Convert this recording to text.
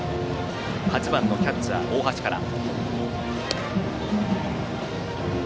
８番のキャッチャー大橋から。